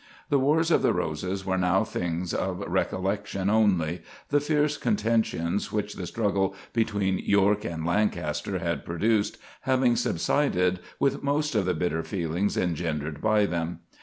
The Wars of the Roses were now things of recollection only, the fierce contentions which the struggle between York and Lancaster had produced having subsided with most of the bitter feelings engendered by them.